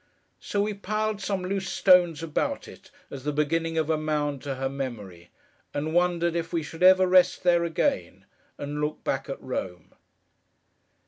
So, we piled some loose stones about it, as the beginning of a mound to her memory, and wondered if we should ever rest there again, and look back at Rome.